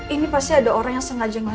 ini pasti ada orang yang sengaja ngelihat